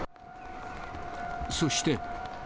そして。